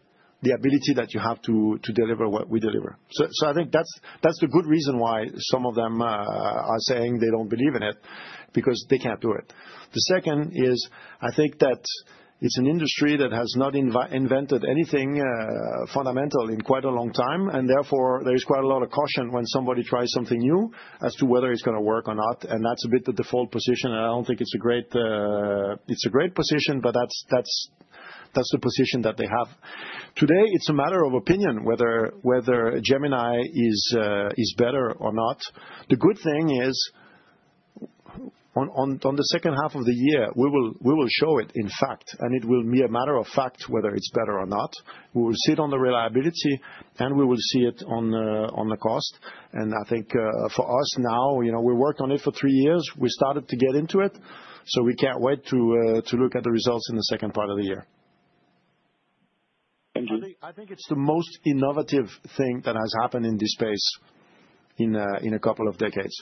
the ability that you have to deliver what we deliver. So I think that's the good reason why some of them are saying they don't believe in it because they can't do it. The second is I think that it's an industry that has not invented anything fundamental in quite a long time. And therefore, there is quite a lot of caution when somebody tries something new as to whether it's going to work or not. And that's a bit the default position. And I don't think it's a great position, but that's the position that they have. Today, it's a matter of opinion whether Gemini is better or not. The good thing is on the second half of the year, we will show it in fact, and it will be a matter of fact whether it's better or not. We will sit on the reliability, and we will see it on the cost. And I think for us now, we've worked on it for three years. We started to get into it, so we can't wait to look at the results in the second part of the year. I think it's the most innovative thing that has happened in this space in a couple of decades.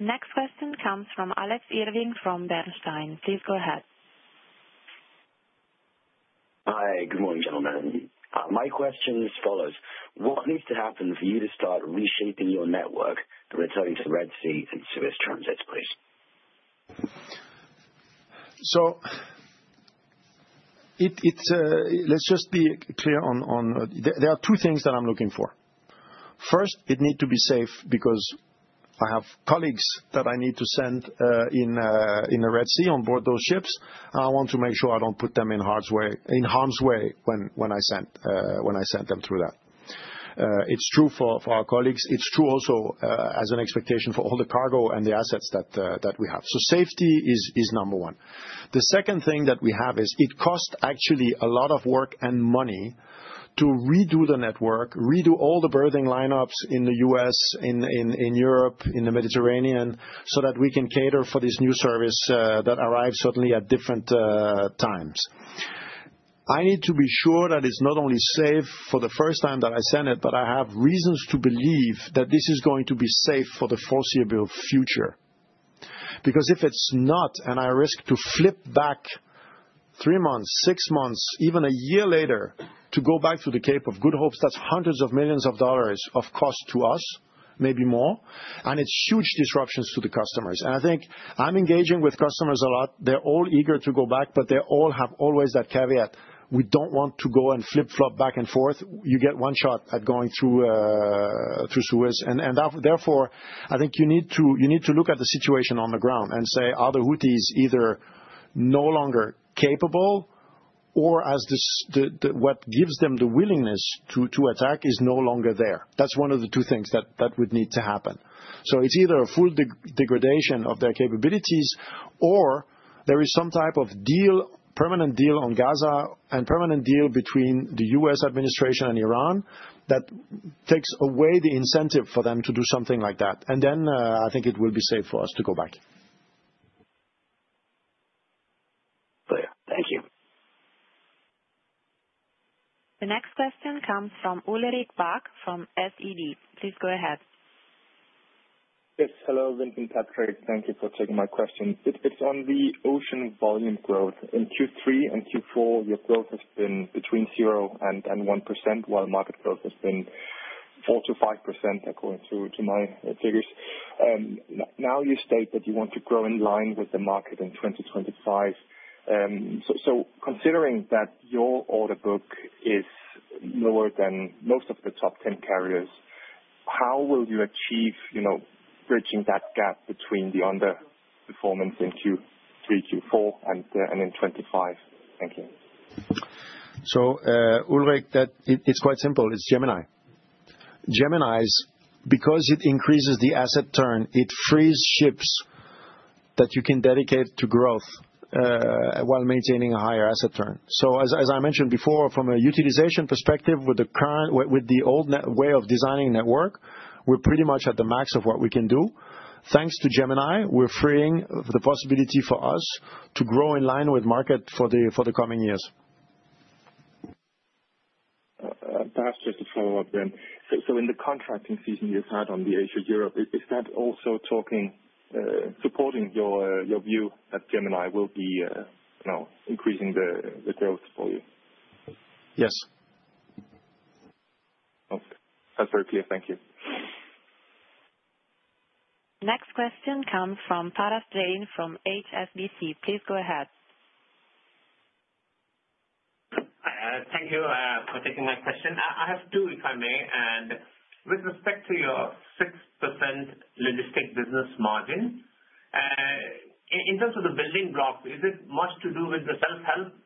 Next question comes from Alex Irving from Bernstein. Please go ahead. Hi, good morning, gentlemen. My question is as follows. What needs to happen for you to start reshaping your network returning to the Red Sea and Suez transits, please? So let's just be clear on there are two things that I'm looking for. First, it needs to be safe because I have colleagues that I need to send in the Red Sea on board those ships. I want to make sure I don't put them in harm's way when I send them through that. It's true for our colleagues. It's true also as an expectation for all the cargo and the assets that we have. So safety is number one. The second thing that we have is it costs actually a lot of work and money to redo the network, redo all the berthing lineups in the U.S., in Europe, in the Mediterranean so that we can cater for this new service that arrives suddenly at different times. I need to be sure that it's not only safe for the first time that I send it, but I have reasons to believe that this is going to be safe for the foreseeable future. Because if it's not, and I risk to flip back three months, six months, even a year later to go back to the Cape of Good Hope, that's hundreds of millions of dollars cost to us, maybe more. And it's huge disruptions to the customers. I think I'm engaging with customers a lot. They're all eager to go back, but they all have always that caveat. We don't want to go and flip-flop back and forth. You get one shot at going through Suez. Therefore, I think you need to look at the situation on the ground and say, are the Houthis either no longer capable or what gives them the willingness to attack is no longer there? That's one of the two things that would need to happen. It's either a full degradation of their capabilities or there is some type of permanent deal on Gaza and permanent deal between the U.S. administration and Iran that takes away the incentive for them to do something like that. Then I think it will be safe for us to go back. Clear. Thank you. The next question comes from Ulrik Bak from SEB. Please go ahead. Yes. Hello, Vincent Clerc. Thank you for taking my question. It's on the Ocean volume growth. In Q3 and Q4, your growth has been between 0% and 1%, while market growth has been 4% to 5% according to my figures. Now you state that you want to grow in line with the market in 2025. So considering that your order book is lower than most of the top 10 carriers, how will you achieve bridging that gap between the underperformance in Q3, Q4, and in 2025? Thank you. So Ulrik, it's quite simple. It's Gemini. Gemini's, because it increases the asset turn, it frees ships that you can dedicate to growth while maintaining a higher asset turn. As I mentioned before, from a utilization perspective, with the old way of designing network, we're pretty much at the max of what we can do. Thanks to Gemini, we're freeing the possibility for us to grow in line with market for the coming years. Perhaps just to follow up then, so in the contracting season you've had on the Asia-Europe, is that also supporting your view that Gemini will be increasing the growth for you? Yes. Okay. That's very clear. Thank you. Next question comes from Parash Jain from HSBC. Please go ahead. Thank you for taking my question. I have two, if I may, and with respect to your 6% Logistics business margin, in terms of the building blocks, is it much to do with the self-help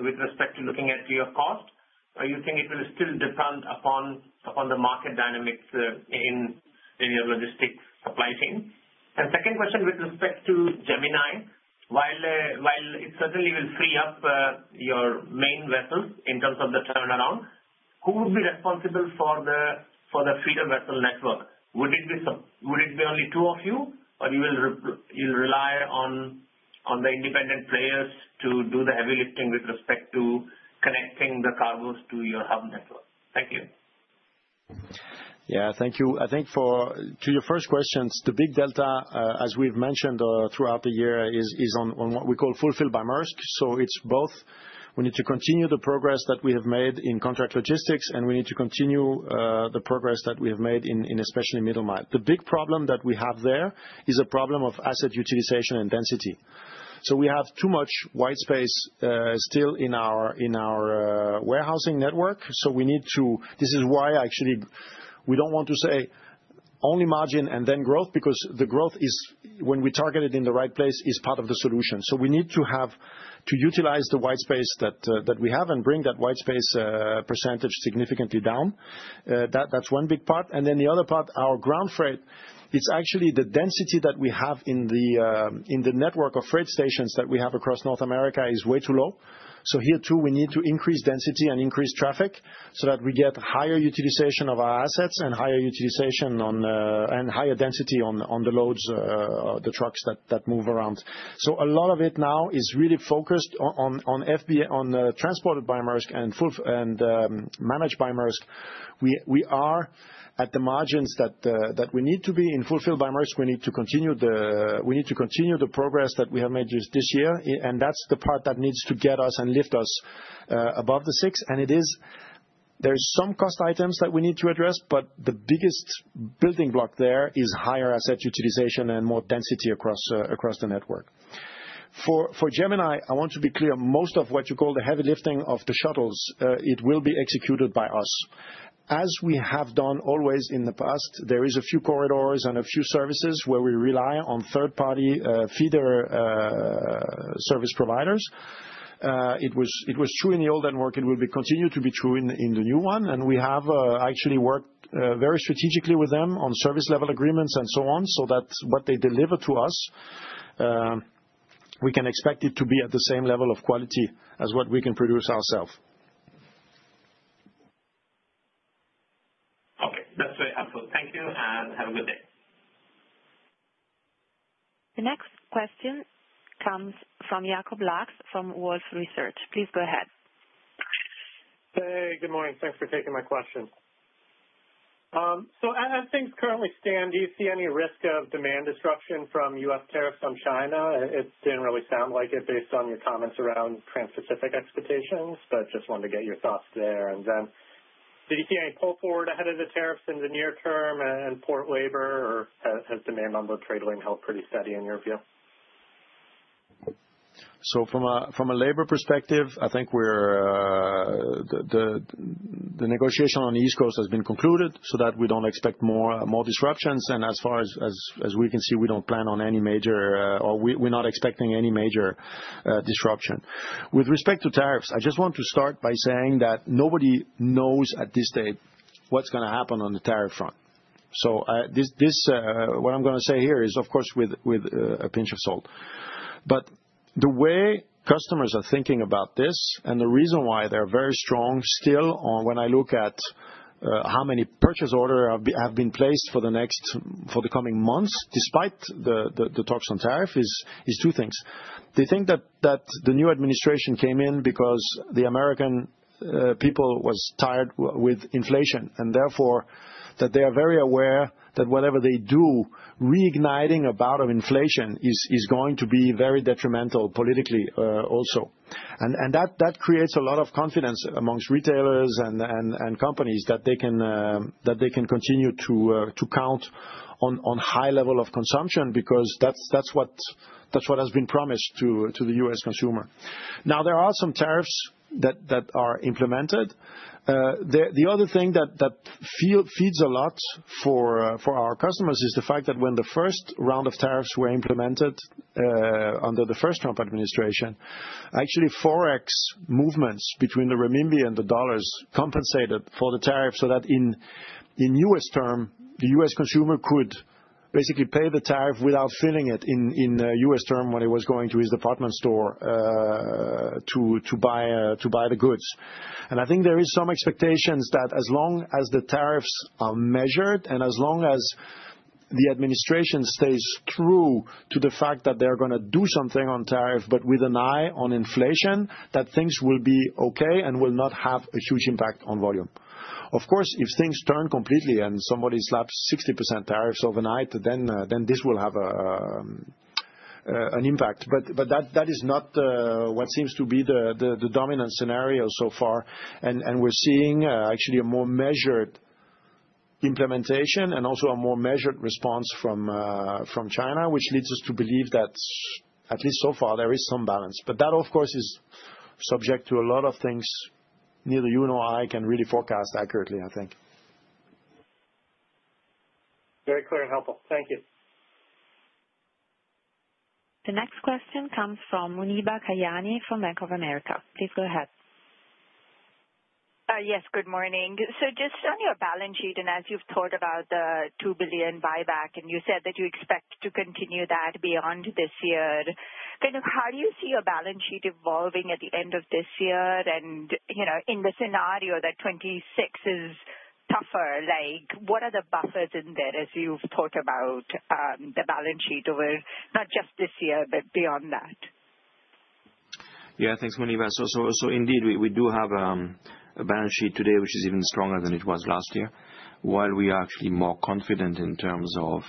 with respect to looking at your cost? Or you think it will still depend upon the market dynamics in your logistics supply chain? And second question with respect to Gemini, while it certainly will free up your main vessels in terms of the turnaround, who would be responsible for the feeder vessel network? Would it be only two of you, or you will rely on the independent players to do the heavy lifting with respect to connecting the cargoes to your hub network? Thank you. Yeah, thank you. I think to your first questions, the big delta, as we've mentioned throughout the year, is on what we call Fulfilled by Maersk. So it's both. We need to continue the progress that we have made in contract logistics, and we need to continue the progress that we have made in especially Middle Mile. The big problem that we have there is a problem of asset utilization and density. So we have too much white space still in our warehousing network. So we need to, this is why actually we don't want to say only margin and then growth, because the growth, when we target it in the right place, is part of the solution. So we need to utilize the white space that we have and bring that white space percentage significantly down. That's one big part. And then the other part, our ground freight, it's actually the density that we have in the network of freight stations that we have across North America is way too low. So here too, we need to increase density and increase traffic so that we get higher utilization of our assets and higher utilization and higher density on the loads, the trucks that move around. A lot of it now is really focused on Transported by Maersk and Managed by Maersk. We are at the margins that we need to be in Fulfilled by Maersk. We need to continue the progress that we have made this year. That's the part that needs to get us and lift us above the six. There are some cost items that we need to address, but the biggest building block there is higher asset utilization and more density across the network. For Gemini, I want to be clear. Most of what you call the heavy lifting of the shuttles, it will be executed by us. As we have done always in the past, there are a few corridors and a few services where we rely on third-party feeder service providers. It was true in the old network. It will continue to be true in the new one. And we have actually worked very strategically with them on service level agreements and so on, so that what they deliver to us, we can expect it to be at the same level of quality as what we can produce ourselves. Okay. That's very helpful. Thank you and have a good day. The next question comes from Jacob Laks from Wolfe Research. Please go ahead. Hey, good morning. Thanks for taking my question. So as things currently stand, do you see any risk of demand disruption from U.S. tariffs on China? It didn't really sound like it based on your comments around Trans-Pacific expectations, but just wanted to get your thoughts there. Did you see any pull forward ahead of the tariffs in the near term and port labor, or has demand on the trade lane held pretty steady in your view? From a labor perspective, I think the negotiation on the East Coast has been concluded so that we don't expect more disruptions. As far as we can see, we don't plan on any major, or we're not expecting any major disruption. With respect to tariffs, I just want to start by saying that nobody knows at this date what's going to happen on the tariff front. What I'm going to say here is, of course, with a pinch of salt. But the way customers are thinking about this and the reason why they're very strong still when I look at how many purchase orders have been placed for the coming months despite the talks on tariff is two things. They think that the new administration came in because the American people were tired with inflation, and therefore that they are very aware that whatever they do, reigniting a bout of inflation is going to be very detrimental politically also. And that creates a lot of confidence among retailers and companies that they can continue to count on high level of consumption because that's what has been promised to the U.S. consumer. Now, there are some tariffs that are implemented. The other thing that feeds a lot for our customers is the fact that when the first round of tariffs were implemented under the first Trump administration, actually Forex movements between the renminbi and the dollar compensated for the tariff so that in U.S. terms, the U.S. consumer could basically pay the tariff without feeling it in U.S. terms when he was going to his department store to buy the goods, and I think there are some expectations that as long as the tariffs are measured and as long as the administration stays true to the fact that they're going to do something on tariffs, but with an eye on inflation, that things will be okay and will not have a huge impact on volume. Of course, if things turn completely and somebody slaps 60% tariffs overnight, then this will have an impact. But that is not what seems to be the dominant scenario so far. And we're seeing actually a more measured implementation and also a more measured response from China, which leads us to believe that at least so far there is some balance. But that, of course, is subject to a lot of things neither you nor I can really forecast accurately, I think. Very clear and helpful. Thank you. The next question comes from Muneeba Kayani from Bank of America.Please go ahead. Yes, good morning. So just on your balance sheet and as you've talked about the $2 billion buyback, and you said that you expect to continue that beyond this year. Kind of how do you see your balance sheet evolving at the end of this year? In the scenario that 2026 is tougher, what are the buffers in there as you've talked about the balance sheet over not just this year, but beyond that? Yeah, thanks, Muneeba. So indeed, we do have a balance sheet today, which is even stronger than it was last year, while we are actually more confident in terms of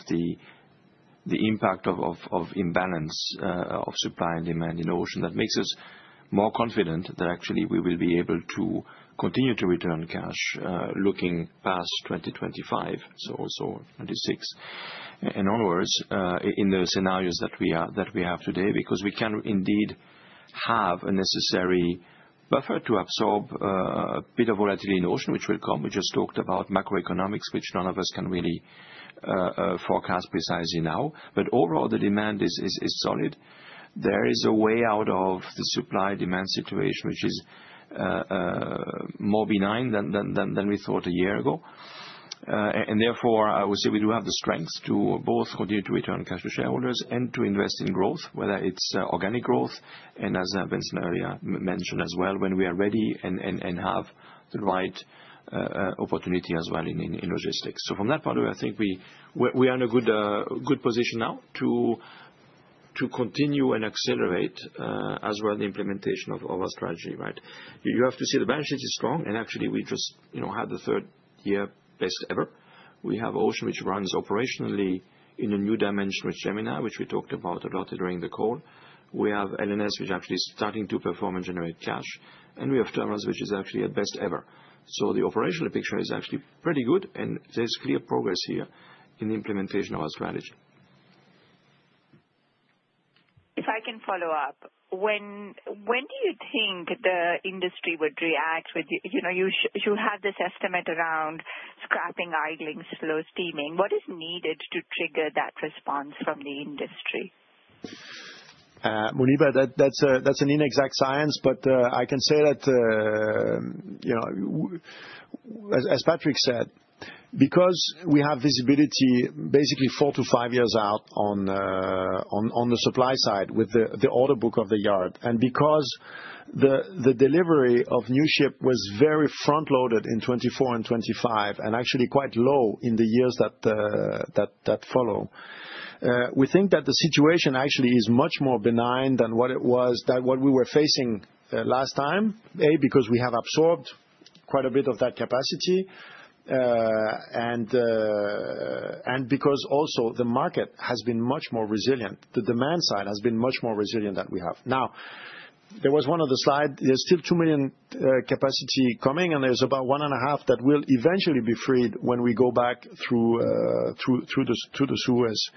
the impact of imbalance of supply and demand in the Ocean. That makes us more confident that actually we will be able to continue to return cash looking past 2025, so also 2026. In other words, in the scenarios that we have today, because we can indeed have a necessary buffer to absorb a bit of volatility in the Ocean, which will come. We just talked about macroeconomics, which none of us can really forecast precisely now. But overall, the demand is solid. There is a way out of the supply-demand situation, which is more benign than we thought a year ago, and therefore, I would say we do have the strength to both continue to return cash to shareholders and to invest in growth, whether it's organic growth, and as Vincent earlier mentioned as well, when we are ready and have the right opportunity as well in logistics, so from that point of view, I think we are in a good position now to continue and accelerate as well the implementation of our strategy. You have to see, the balance sheet is strong, and actually, we just had the third-year best ever. We have Ocean, which runs operationally in a new dimension with Gemini, which we talked about a lot during the call. We have L&S, which actually is starting to perform and generate cash. And we have Terminals, which is actually at best ever. So the operational picture is actually pretty good, and there's clear progress here in the implementation of our strategy. If I can follow up, when do you think the industry would react? You have this estimate around scrapping idling slow steaming. What is needed to trigger that response from the industry? Muneeba, that's an inexact science, but I can say that, as Patrick said, because we have visibility basically four to five years out on the supply side with the order book of the yard, and because the delivery of new ship was very front-loaded in 2024 and 2025, and actually quite low in the years that follow, we think that the situation actually is much more benign than what we were facing last time, A, because we have absorbed quite a bit of that capacity, and because also the market has been much more resilient. The demand side has been much more resilient than we have. Now, there was one other slide. There's still 2 million capacity coming, and there's about one and a half that will eventually be freed when we go back through the Suez.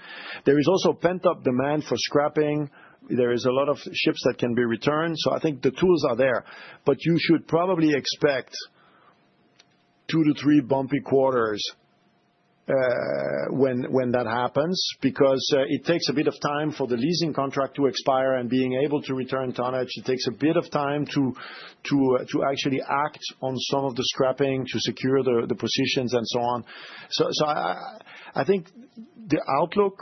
There is also pent-up demand for scrapping. There is a lot of ships that can be returned. So I think the tools are there. But you should probably expect two to three bumpy quarters when that happens because it takes a bit of time for the leasing contract to expire and being able to return tonnage. It takes a bit of time to actually act on some of the scrapping to secure the positions and so on. So I think the outlook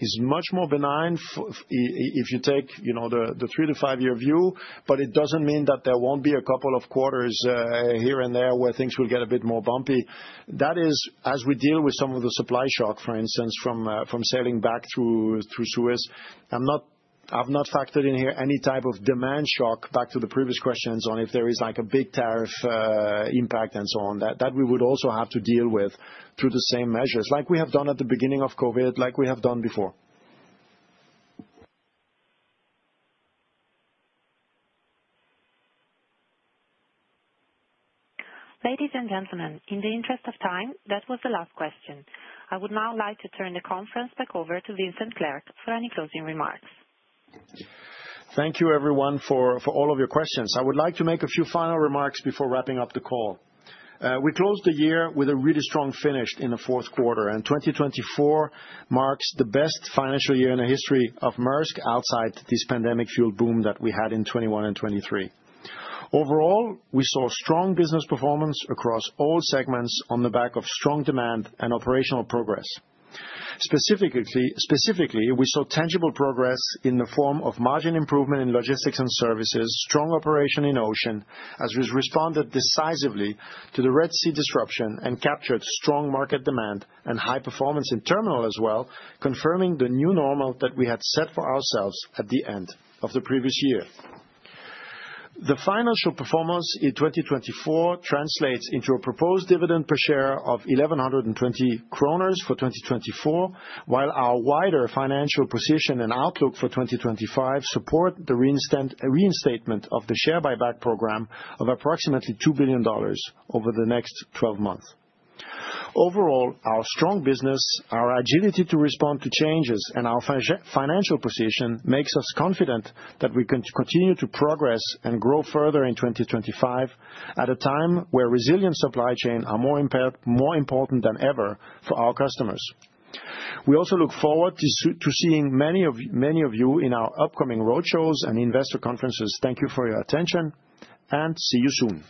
is much more benign if you take the three to five-year view, but it doesn't mean that there won't be a couple of quarters here and there where things will get a bit more bumpy. That is, as we deal with some of the supply shock, for instance, from sailing back through Suez, I've not factored in here any type of demand shock back to the previous questions on if there is a big tariff impact and so on, that we would also have to deal with through the same measures like we have done at the beginning of COVID, like we have done before. Ladies and gentlemen, in the interest of time, that was the last question. I would now like to turn the conference back over to Vincent Clerc for any closing remarks. Thank you, everyone, for all of your questions. I would like to make a few final remarks before wrapping up the call. We closed the year with a really strong finish in the fourth quarter, and 2024 marks the best financial year in the history of Maersk outside this pandemic-fueled boom that we had in 2021 and 2023. Overall, we saw strong business performance across all segments on the back of strong demand and operational progress. Specifically, we saw tangible progress in the form of margin improvement in logistics and services, strong operation in Ocean, as we responded decisively to the Red Sea disruption and captured strong market demand and high performance in Terminal as well, confirming the new normal that we had set for ourselves at the end of the previous year. The financial performance in 2024 translates into a proposed dividend per share of 1,120 kroner for 2024, while our wider financial position and outlook for 2025 support the reinstatement of the share buyback program of approximately $2 billion over the next 12 months. Overall, our strong business, our agility to respond to changes, and our financial position makes us confident that we can continue to progress and grow further in 2025 at a time where resilient supply chains are more important than ever for our customers. We also look forward to seeing many of you in our upcoming roadshows and investor conferences. Thank you for your attention, and see you soon.